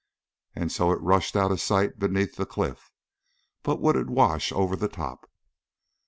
And so it rushed out of sight beneath the cliff. But would it wash over the top?